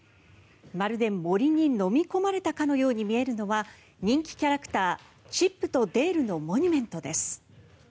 まるで森にのみ込まれたかのように見えるのは人気キャラクターチップとデールのモニュメントです。